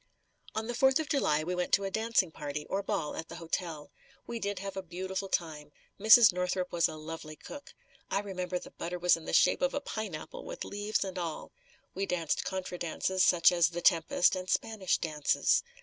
On the Fourth of July we went to a dancing party or ball at the hotel. We did have a beautiful time Mrs. Northrup was a lovely cook. I remember the butter was in the shape of a pineapple with leaves and all. We danced contra dances, such as "The Tempest" and Spanish dances.